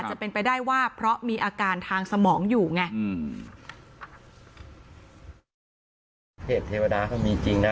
จะเป็นไปได้ว่าเพราะมีอาการทางสมองอยู่ไงอืม